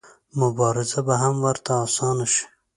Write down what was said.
مبارزه به هم ورته اسانه شي.